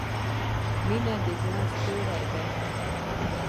• مینه د زړۀ ستوری دی.